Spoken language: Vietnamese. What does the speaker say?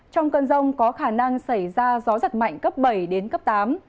trong cơn rông có khả năng xảy ra gió giật mạnh cấp bảy đến cấp tám